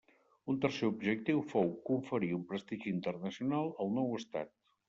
Un tercer objectiu fou conferir un prestigi internacional al nou estat.